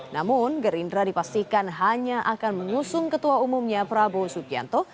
namun gerindra dipastikan hanya akan mengusung ketua umumnya prabowo subianto